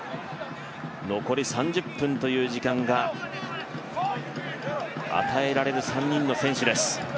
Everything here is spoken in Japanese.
残り３０分という時間が与えられる３人の選手です。